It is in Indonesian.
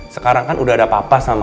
sekarang kan udah ada papa sama om surya